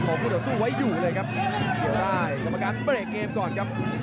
หันควันเลยครับพนักเบียไทยไม่ยอมเสียเมืองครับ